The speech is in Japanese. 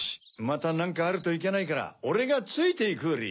またなんかあるといけないからおれがついていくウリ！